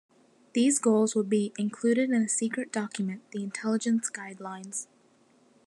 These goals will be included in a secret document, the Intelligence Guidelines.